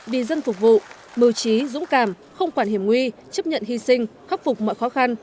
vì dân phục vụ mưu trí dũng cảm không quản hiểm nguy chấp nhận hy sinh khắc phục mọi khó khăn